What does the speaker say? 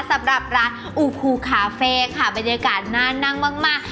สำหรับร้านอูคูคาเฟ่ค่ะบรรยากาศน่านั่งมากมาก